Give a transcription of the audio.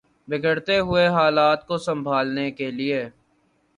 بگڑتے ہوئے حالات کو سنبھالنے کے لیے